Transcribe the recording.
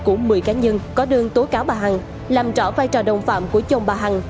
của một mươi cá nhân có đơn tố cáo bà hằng làm rõ vai trò đồng phạm của chồng bà hằng